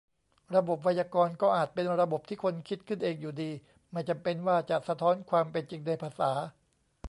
ระบบไวยากรณ์ ก็อาจเป็นระบบที่คนคิดขึ้นเองอยู่ดี ไม่จำเป็นว่าจะสะท้อนความเป็นจริงในภาษา